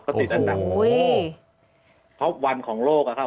เขาติดอันดับท็อปวันของโลกอะครับ